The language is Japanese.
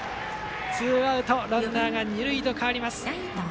ツーアウトランナー、二塁と変わります。